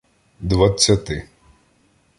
Двадцяти